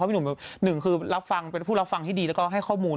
เพราะพี่หนุ่มหนึ่งคือพูดรับฟังที่ดีและให้ข้อมูล